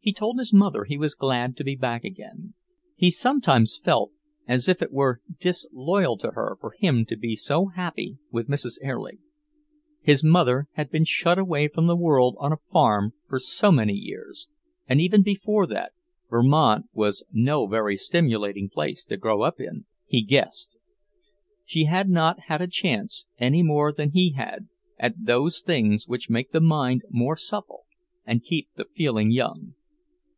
He told his mother he was glad to be back again. He sometimes felt as if it were disloyal to her for him to be so happy with Mrs. Erlich. His mother had been shut away from the world on a farm for so many years; and even before that, Vermont was no very stimulating place to grow up in, he guessed. She had not had a chance, any more than he had, at those things which make the mind more supple and keep the feeling young.